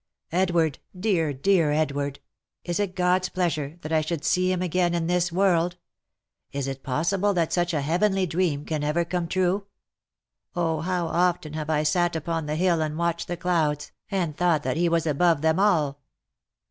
Edward ! dear, dear, Edward ! Is it God's plea sure that I should see him again in this world ? Is it possible that such a heavenly dream can ever come true ? Oh ! how often have I sat upon the hill and watched the clouds, and thought that he was above them all